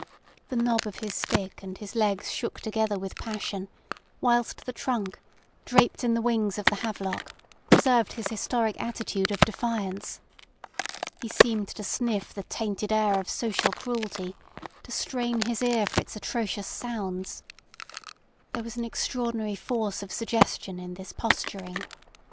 The knob of his stick and his legs shook together with passion, whilst the trunk, draped in the wings of the havelock, preserved his historic attitude of defiance. He seemed to sniff the tainted air of social cruelty, to strain his ear for its atrocious sounds. There was an extraordinary force of suggestion in this posturing.